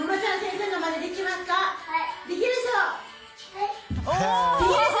はい！